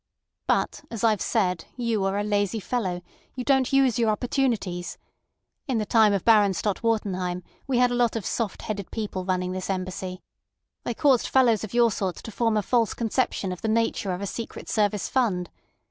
"But, as I've said, you are a lazy fellow; you don't use your opportunities. In the time of Baron Stott Wartenheim we had a lot of soft headed people running this Embassy. They caused fellows of your sort to form a false conception of the nature of a secret service fund.